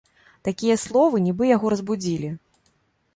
Такія словы нібы яго разбудзілі.